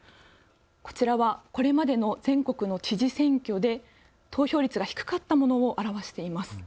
こちらはこれまでの全国の知事選挙で投票率が低かったものを表しています。